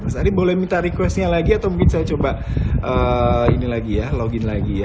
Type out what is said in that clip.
mas ari boleh minta requestnya lagi atau mungkin saya coba login lagi ya